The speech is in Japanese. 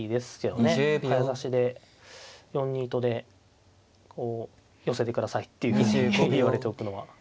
早指しで４二とでこう寄せてくださいっていうふうに言われておくのは。